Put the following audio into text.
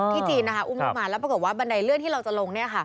จีนอุ้มลูกมาแล้วปรากฏว่าบันไดเลื่อนที่เราจะลง